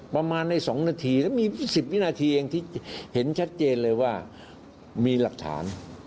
ประมาณใน๒นาทีแล้วมี๑๐วินาทีเองที่เห็นชัดเจนเลยว่ามีหลักฐาน